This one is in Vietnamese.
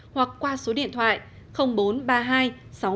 hoặc qua số điện thoại